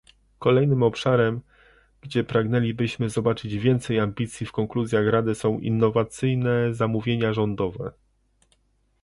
kolejnym obszarem, gdzie pragnęlibyśmy zobaczyć więcej ambicji w konkluzjach Rady są innowacyjne zamówienia rządowe